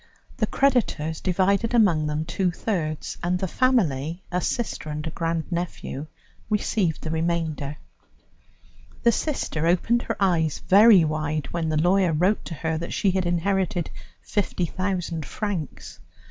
The creditors divided among them two thirds, and the family, a sister and a grand nephew, received the remainder. The sister opened her eyes very wide when the lawyer wrote to her that she had inherited 50,000 francs.